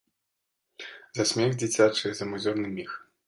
За смех дзіцячы, за мой зорны міг.